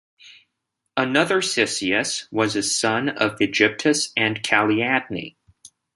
Another Cisseus was a son of Aegyptus and Caliadne.